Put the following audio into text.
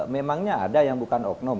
memangnya ada yang bukan oknum